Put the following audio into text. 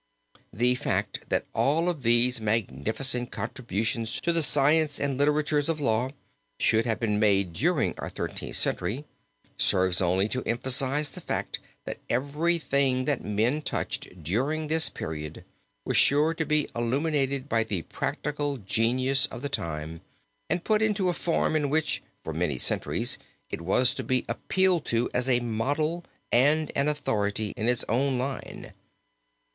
The fact that all of these magnificent contributions to the science and literatures of law should have been made during our Thirteenth Century, serves only to emphasize the fact that everything that men touched during this period was sure to be illuminated by the practical genius of the time, and put into a form in which for many centuries it was to be appealed to as a model and an authority in its own line.